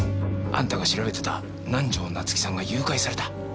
あんたが調べてた南条夏樹さんが誘拐された。